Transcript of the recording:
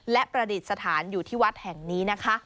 และประดิษฐานอยู่ที่วัดแห่งนี้นะคะ